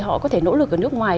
họ có thể nỗ lực ở nước ngoài